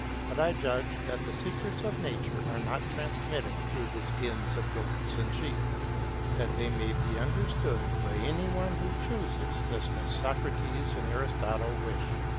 But I judge that the secrets of nature are not transmitted through the skins of goats and sheep, that they may be understood by any one who chooses, just as Socrates and Aristotle wish.